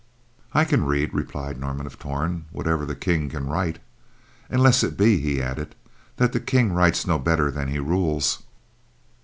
"I can read," replied Norman of Torn, "whatever the King can write. Unless it be," he added, "that the King writes no better than he rules."